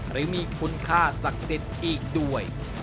หรือมีคุณค่าศักดิ์สิทธิ์อีกด้วย